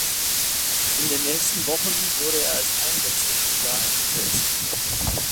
In den nächsten Wochen wurde er als Einwechselspieler eingesetzt.